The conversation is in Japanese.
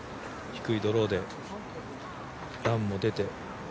低いドローでランも出て。